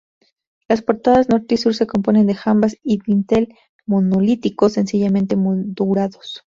Las portadas Norte y Sur se componen de jambas y dintel monolíticos sencillamente moldurados.